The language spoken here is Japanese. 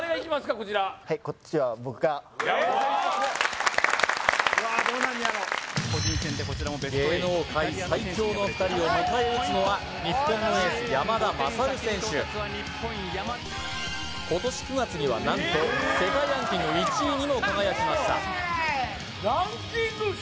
こちらはいこっちは僕が・えっ・うわどうなんねやろ芸能界最強の２人を迎え撃つのは日本のエース山田優選手今年９月には何と世界ランキング１位にも輝きました